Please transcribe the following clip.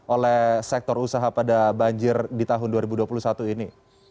oleh sektor usaha pada banjir di tahun dua ribu dua puluh satu ini